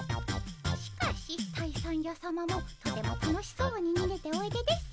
しかし退散やさまもとても楽しそうににげておいでです。